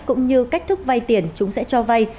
cũng như cách thức vay tiền chúng sẽ cho vay